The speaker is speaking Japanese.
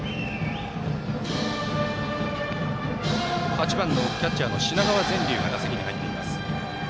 ８番のキャッチャーの品川善琉が打席に入っています。